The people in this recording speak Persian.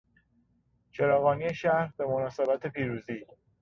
چراغانی شهر به مناسبت پیروزی